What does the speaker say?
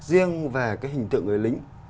riêng về cái hình tượng người lính